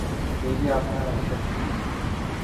এই-যে আপনারা এসেছেন।